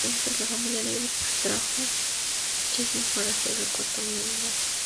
La familia Negro trajo Chessman para ser el cuarto miembro.